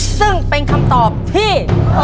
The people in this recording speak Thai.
ซึ่งเป็นคำตอบที่